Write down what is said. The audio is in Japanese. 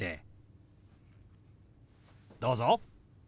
どうぞ。